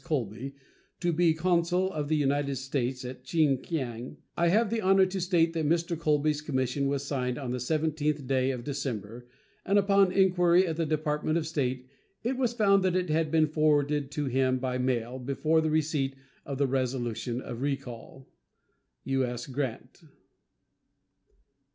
Colby to be consul of the United States at Chin Kiang, I have the honor to state that Mr. Colby's commission was signed on the 17th day of December, and upon inquiry at the Department of State it was found that it had been forwarded to him by mail before the receipt of the resolution of recall. U.S. GRANT.